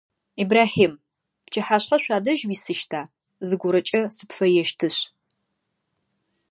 Ибрахьим, пчыхьашъхьэ шъуадэжь уисыщта, зыгорэкӏэ сыпфэещтышъ?